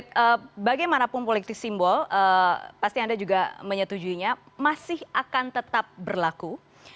jadi kemudian manapun politik simbol pasti anda juga menyetujuinya masih akan tetap berlaku